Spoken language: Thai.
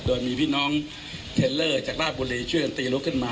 โดยมีพี่น้องเทลเลอร์จากราชบุรีช่วยกันตีลุกขึ้นมา